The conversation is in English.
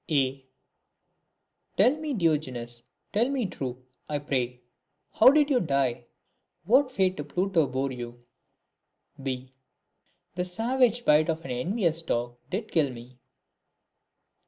A. Tell me, Diogenes, tell me true, I pray, How did you die ; what fate to Pluto bore you ?£. The savage bite of an envious dog did kill me.